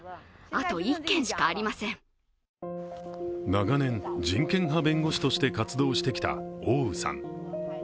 長年、人権派弁護士として活動してきた王宇さん。